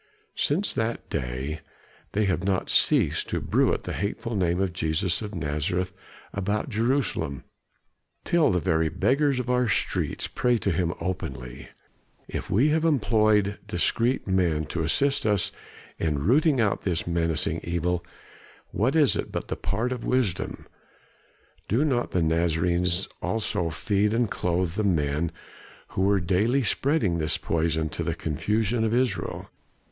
Since that day they have not ceased to bruit the hateful name of Jesus of Nazareth about Jerusalem, till the very beggars of our streets pray to him openly. If we have employed discreet men to assist us in rooting out this menacing evil, what is it but the part of wisdom? Do not the Nazarenes also feed and clothe the men who are daily spreading this poison to the confusion of Israel?